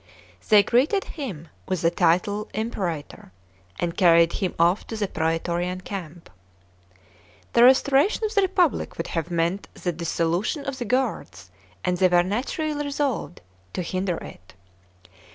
They greeted him with the title Imperator, and carried him off to the prsetorian camp. The restoration of the Republic would have meant the dissolution of the guards, and they were naturally resolved to hinder it.